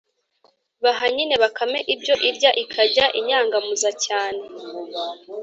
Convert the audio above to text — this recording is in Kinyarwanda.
baha nyine bakame ibyo irya, ikajya inyangamuza cyane,